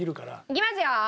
いきますよ！